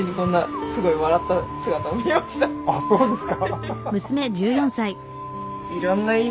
あっそうですか。